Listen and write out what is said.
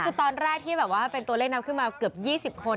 คือตอนแรกที่แบบว่าเป็นตัวเลขนำขึ้นมาเกือบ๒๐คน